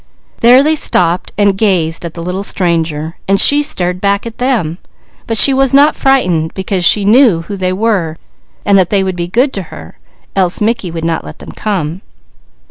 There they stopped, gazing at the little stranger, while she stared back at them; but she was not frightened, because she knew who they were and that they would be good to her, else Mickey would not let them come.